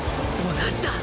同じだ！